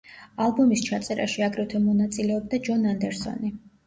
ალბომის ჩაწერაში აგრეთვე მონაწილეობდა ჯონ ანდერსონი.